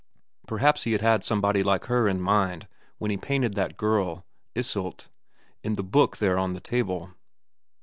Perhaps he had had somebody like her in mind when he painted that girl, Iseult, in the book there on the table.